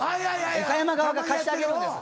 岡山側が貸してあげるんです。